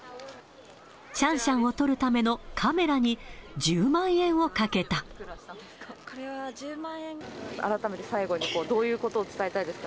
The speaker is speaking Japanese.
シャンシャンを撮るためのカ改めて最後に、どういうことを伝えたいですか？